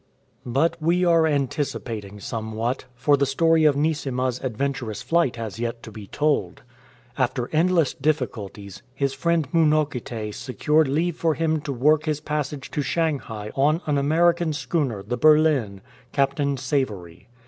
"" But we are anticipating somewhat, for the story of Neesima''s adventurous flight has yet to be told. After endless difficulties, his friend jMunokite secured leave for him to work his passage to Shanghai on an American schooner, the Berlin^ Captain Savory.